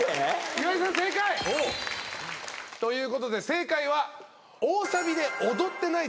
岩井さん正解。ということで正解は。